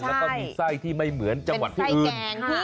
แล้วก็มีไส้ที่ไม่เหมือนจังหวัดที่อื่น